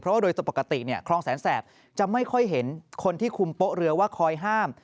เพราะว่าโดยตัวปกติเนี่ยคลองแสนแสบจะไม่ค่อยเห็นคนที่คุมโป๊ะเรือว่าคอยห้าม